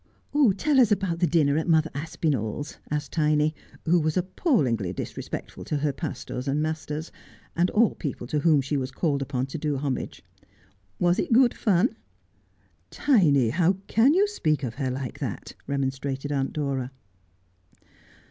' Tell us about the dinner at Mother Aspinall's,' asked Tiny, who was appallingly disrespectful to her pastors and masters, and all people to whom she was called upon to do homage. ' "Was it good fun ?' 'Tiny, how can you speak of her like that?' remonstrated Aunt Dora.